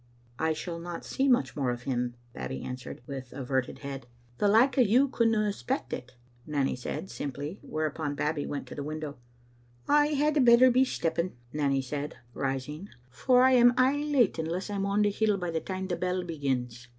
" I shall not see much more of him," Babbie answered, with averted head. "The like o' you couldna expect it," Nanny said, simply, whereupon Babbie went to the window. "I had better be stepping," Nanny said, rising, "for I am Digitized by VjOOQ IC m tCbc Xittle Afnf0ter. aye late anless I'm on the hill by the time the bell be gins.